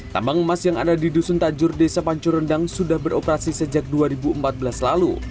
tambang emas yang ada di dusun tajur desa pancu rendang sudah beroperasi sejak dua ribu empat belas lalu